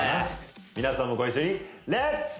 皆さんもご一緒にレッツ！